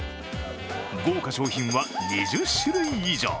豪華賞品は２０種類以上。